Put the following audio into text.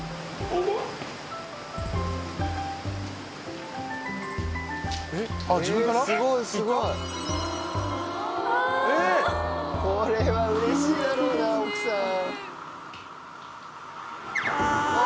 これはうれしいだろうな奥さん。